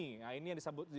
nah ini yang disampaikan oleh